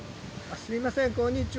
すいませんこんにちは。